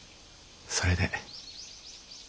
それで。